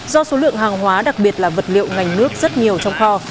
do số lượng hàng hóa đặc biệt là vật liệu ngành nước rất nhiều trong kho